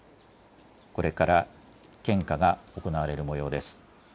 これから献花が行われるもようです。